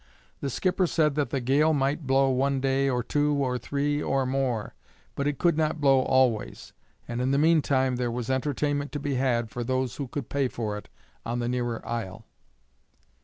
The skipper said that the gale might blow one day, or two, or three, or more, but it could not blow always, and in the meantime there was entertainment to be had for those who could pay for it on the nearer isle.